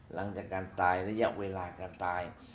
หลังจากการตายระยะเวลาการตาย